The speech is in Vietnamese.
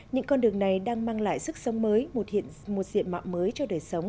những con đường này đang mang lại sức sống mới một diện mạo mới cho đời sống